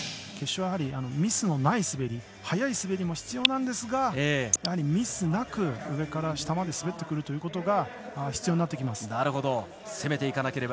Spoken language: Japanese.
決勝はミスのない滑り速い滑りも必要なんですがやはりミスなく上から下まで滑ってくるということが必要になってきます。